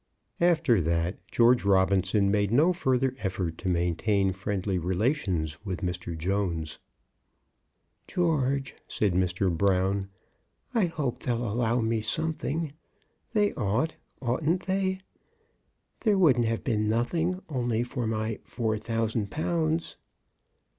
After that, George Robinson made no further effort to maintain friendly relations with Mr. Jones. "George," said Mr. Brown, "I hope they'll allow me something. They ought; oughtn't they? There wouldn't have been nothing, only for my four thousand pounds."